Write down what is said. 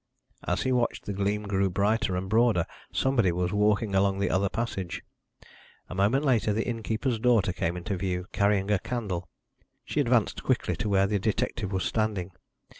As he watched the gleam grew brighter and broader; somebody was walking along the other passage. A moment later the innkeeper's daughter came into view, carrying a candle. She advanced quickly to where the detective was standing.